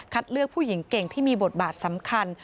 เลือกผู้หญิงเก่งที่มีบทบาทสำคัญ